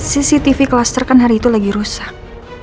cctv klaster kan hari itu lagi rusak